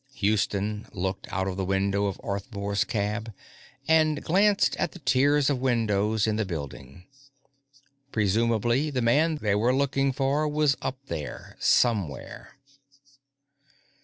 Houston looked out of the window of Arthmore's cab and glanced at the tiers of windows in the building. Presumably, the man they were looking for was up there somewhere.